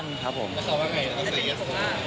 แล้วเขาว่าไงตอนที่นี่